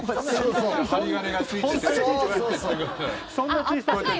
針金がついてて。